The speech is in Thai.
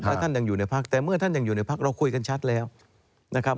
ถ้าท่านยังอยู่ในพักแต่เมื่อท่านยังอยู่ในพักเราคุยกันชัดแล้วนะครับ